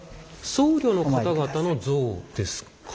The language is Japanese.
僧侶の方々の像ですか？